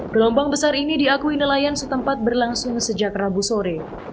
gelombang besar ini diakui nelayan setempat berlangsung sejak rabu sore